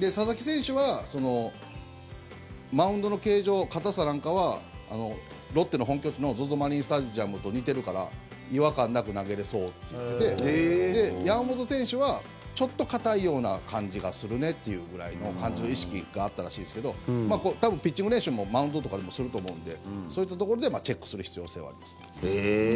佐々木選手はマウンドの形状、硬さなんかはロッテの本拠地のＺＯＺＯマリンスタジアムと似ているから、違和感なく投げれそうって言っていて山本選手はちょっと硬いような感じがするねっていうくらいの感じの意識があったらしいですけど多分、ピッチング練習もマウンドとかでもすると思うんでそういったところでチェックする必要性はあります。